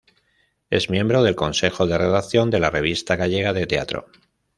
Es miembro del consejo de redacción de la "Revista Gallega de Teatro".